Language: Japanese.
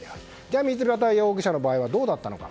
道端容疑者の場合はどうだったのか。